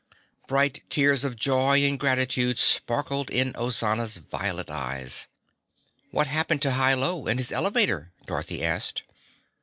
Bright tears of joy and gratitude sparkled in Ozana's violet eyes. "What happened to Hi Lo and his elevator?" Dorothy asked.